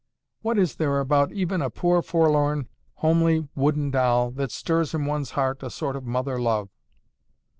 "What is there about even a poor forlorn homely wooden doll that stirs in one's heart a sort of mother love?"